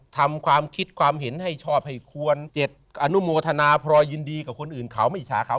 ทำความคิดความเห็นให้ชอบให้ควรเจ็ดอนุโมทนาพรอยยินดีกับคนอื่นเขาไม่อิจฉาเขา